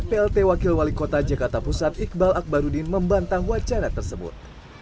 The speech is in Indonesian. plt wakil wali kota jakarta pusat iqbal akbarudin membantah wacana tersebut